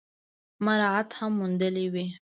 مراعات هم موندلي وي ۔